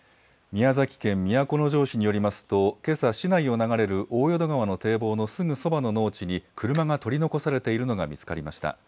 宮崎県都城市によりますと、けさ市内を流れる大淀川の堤防のすぐそばの農地に車が取り残されているのが見つかりました。